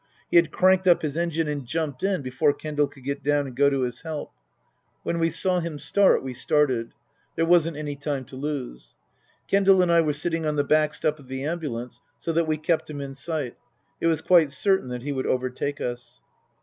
He had cranked up his engine and jumped in before Kendal could get down and go to his help. When we saw him start we started. There wasn't any time to lose. Kendal and I were sitting on the back step of the ambulance, so that we kept him in sight. It was quite certain that he would overtake us.